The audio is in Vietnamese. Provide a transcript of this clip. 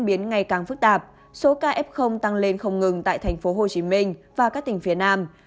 biến ngày càng phức tạp số ca f tăng lên không ngừng tại tp hcm và các tỉnh phía nam